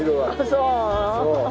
そう。